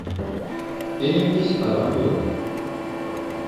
Benim hiç param yok.